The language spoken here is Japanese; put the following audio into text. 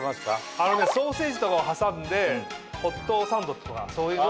あのねソーセージとかを挟んでホットサンドとかそういう。